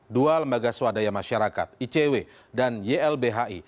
dua lembaga swadaya masyarakat icw dan ylbhi